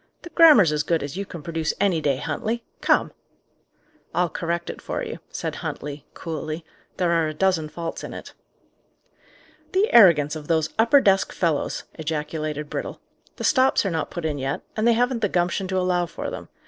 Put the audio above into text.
"The grammar's as good as you can produce any day, Huntley. Come!" "I'll correct it for you," said Huntley, coolly. "There are a dozen faults in it." "The arrogance of those upper desk fellows!" ejaculated Brittle. "The stops are not put in yet, and they haven't the gumption to allow for them.